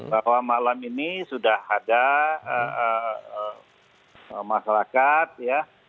bahwa malam ini sudah ada masyarakat ya